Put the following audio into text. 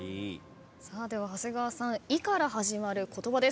では長谷川さん「い」から始まる言葉です。